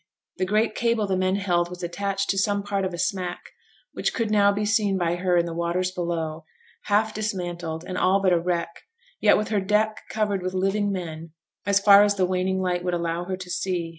The great cable the men held was attached to some part of a smack, which could now be seen by her in the waters below, half dismantled, and all but a wreck, yet with her deck covered with living men, as far as the waning light would allow her to see.